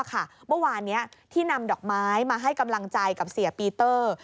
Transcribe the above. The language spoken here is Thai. เมื่อวานนี้ที่นำดอกไม้มาให้กำลังใจกับเสียปีเตอร์